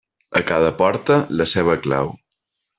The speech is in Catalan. A cada porta, la seva clau.